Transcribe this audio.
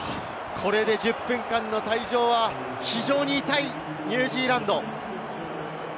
これで１０分間の退場は非常に痛いニュージーランド。